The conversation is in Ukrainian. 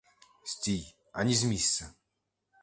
Стій, ані з місця!